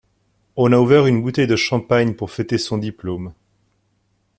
On a ouvert une bouteille de champagne pour fêter son diplôme.